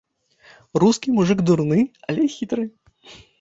Рускі мужык дурны, але хітры.